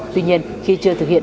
tuy nhiên khi chưa thực hiện